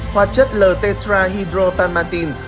hoạt chất l tetrahydropalmatin